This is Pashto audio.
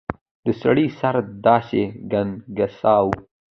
د سړي سر داسې ګنګساوه.